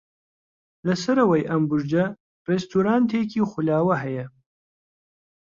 لە سەرەوەی ئەم بورجە ڕێستۆرانتێکی خولاوە هەیە.